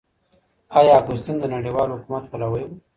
آيا اګوستين د نړيوال حکومت پلوي و؟